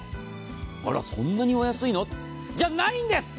あら、そんなにお安いの？じゃないんです。